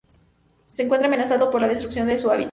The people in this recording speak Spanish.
Se encuentra amenazado por la destrucción de hábitat.